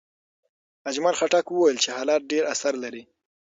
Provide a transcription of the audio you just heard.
اجمل خټک وویل چې حالات ډېر اثر لري.